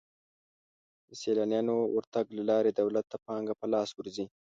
د سیلانیانو ورتګ له لارې دولت ته پانګه په لاس ورځي.